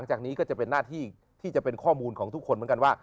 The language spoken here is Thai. จากนี้ก็เป็นต้นไปมันเป็นจุดเปลี่ยนนะ